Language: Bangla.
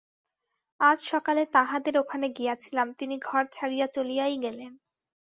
আজ সকালে তাঁহাদের ওখানে গিয়াছিলাম, তিনি ঘর ছাড়িয়া চলিয়াই গেলেন।